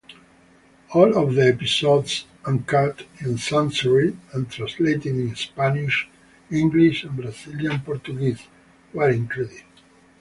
All of the episodes-uncut, uncensored, and translated in Spanish, English, and Brazilian Portuguese-were included.